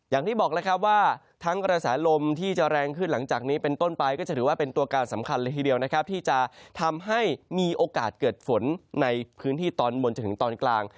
อย่างที่บอกแล้วครับว่าทั้งกระแสลมที่จะแรงขึ้นหลังจากนี้เป็นต้นไปก็จะถือว่าเป็นตัวการสำคัญเลยทีเดียวนะครับที่จะทำให้มีโอกาสเกิดฝนในพื้นที่ตอนบนจนถึงตอนกลาง